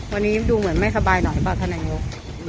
วันนี้ดูเหมือนไม่สบายหน่อยเปล่าท่านนายก